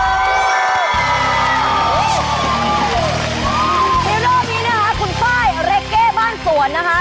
ในรอบนี้นะคะคุณป้ายเรกเก้บ้านสวนนะคะ